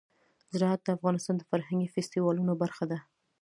زراعت د افغانستان د فرهنګي فستیوالونو برخه ده.